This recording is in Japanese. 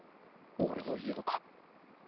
俺の家の鍵？